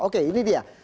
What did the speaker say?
oke ini dia